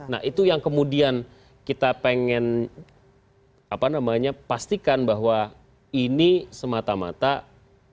nah itu yang kemudian kita pengen pastikan bahwa ini semata mata urusannya soal kandidat